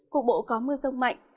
cuộc bộ có mưa rông mạnh